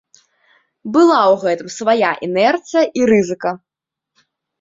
Была ў гэтым свая інерцыя і рызыка.